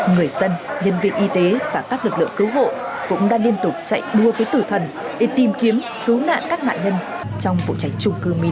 người dân nhân viên y tế và các lực lượng cứu hộ cũng đã liên tục chạy đua với tử thần để tìm kiếm cứu nạn các nạn nhân trong vụ cháy trung cư mini